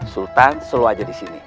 sultan selalu aja disini